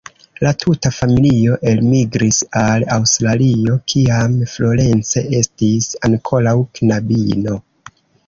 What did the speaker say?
La tuta familio elmigris al Aŭstralio, kiam Florence estis ankoraŭ knabino.